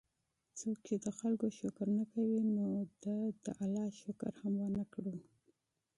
څوک چې د خلکو شکر نه کوي، نو ده د الله شکر هم ونکړو